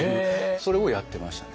それをやってましたね。